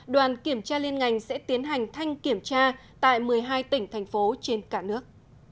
đoàn kiểm tra liên ngành sẽ tiến hành thanh kiểm tra tại một mươi hai tỉnh thành phố trên cả nước